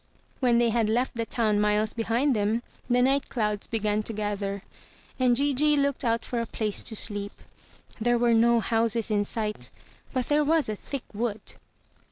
When they had left the town miles behind them, the night clouds began to gather, and Gigi looked out for a place to sleep. There were no houses in sight, but there was a thick wood.